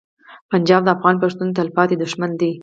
پنجاب د افغان پښتون تلپاتې دښمن دی.